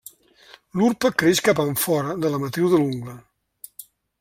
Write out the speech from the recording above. L'urpa creix cap enfora de la matriu de l'ungla.